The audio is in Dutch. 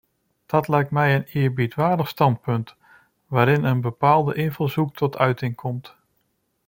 Dat lijkt mij een eerbiedwaardig standpunt, waarin een bepaalde invalshoek tot uiting komt.